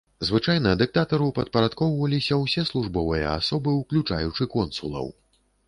Звычайна дыктатару падпарадкоўваліся ўсе службовыя асобы, уключаючы консулаў.